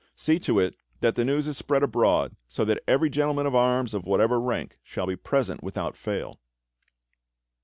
See to it that the news is spread abroad so that every gentleman of arms of whatever rank shall be present without fail."